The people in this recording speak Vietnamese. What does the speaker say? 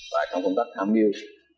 và trong công tác tham mưu